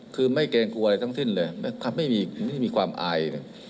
คือไม่เกรงกลัวอะไรทั้งสิ้นเลยไม่มีความอายเลย